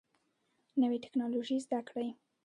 نوي ټکنالوژي زده کړئ